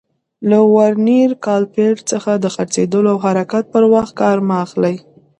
له ورنیر کالیپر څخه د څرخېدلو او حرکت پر وخت کار مه اخلئ.